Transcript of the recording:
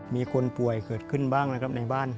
มีคนป่วยเกิดขึ้นบ้างนะครับในบ้าน